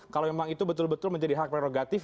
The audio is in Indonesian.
kalau memang itu betul betul menjadi hak prerogatif